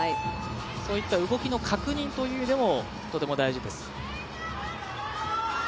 そういった動きの確認という意味でもとても大事です。